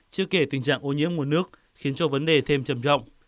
chưa kể tình trạng ô nhiễm nguồn nước khiến cho vấn đề thêm trầm trọng